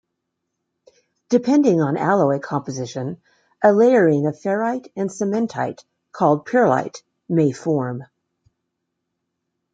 Depending on alloy composition, a layering of ferrite and cementite, called pearlite, may form.